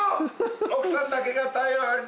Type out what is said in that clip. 奥さんだけが頼り。